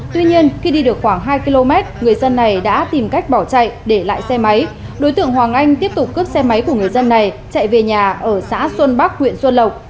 tuy nhiên khi đi được khoảng hai km người dân này đã tìm cách bỏ chạy để lại xe máy đối tượng hoàng anh tiếp tục cướp xe máy của người dân này chạy về nhà ở xã xuân bắc huyện xuân lộc